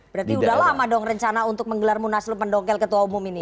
berarti sudah lama dong rencana untuk menggelar munas lu pendongkel ketua umum ini